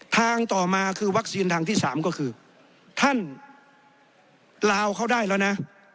ทางต่อมาคือวัคซีนทางที่๓ก็คือท่านลาวเขาได้แล้วนะ